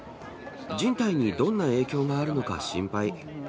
人体にどんな影響があるのか心配。